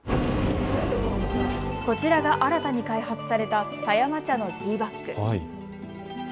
こちらが新たに開発された狭山茶のティーバッグ。